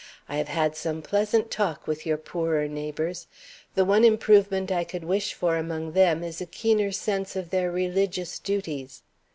I have had some pleasant talk with your poorer neighbors; the one improvement I could wish for among them is a keener sense of their religious duties."